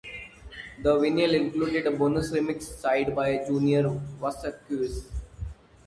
The vinyl included a bonus remix side by Junior Vasquez.